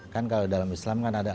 kan kalau dalam islam kan ada